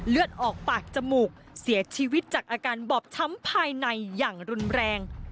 เลือดออกปากจมูกเสียชีวิตจากอาการบอบช้ำภายในอย่างรุนแรง